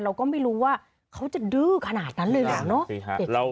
เราก็ไม่รู้ว่าเขาจะดื้อขนาดนั้นเลยเหรอเนอะ